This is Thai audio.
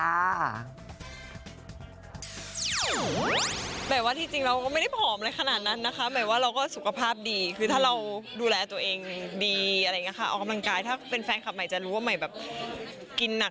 แต่ว่าที่จริงเราก็ไม่ได้ผอมอะไรขนาดนั้นนะคะหมายว่าเราก็สุขภาพดีคือถ้าเราดูแลตัวเองดีอะไรอย่างนี้ค่ะออกกำลังกายถ้าเป็นแฟนคลับใหม่จะรู้ว่าใหม่แบบกินหนัก